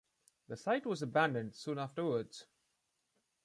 The site was abandoned soon afterwards.